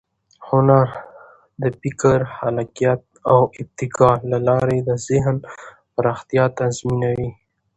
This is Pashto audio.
هنر د فکر، خلاقیت او ابتکار له لارې د ذهن پراختیا تضمینوي.